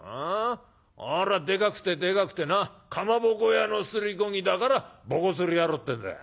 あれはでかくてでかくてなかまぼこ屋のすりこ木だからぼこすり野郎ってんだよ。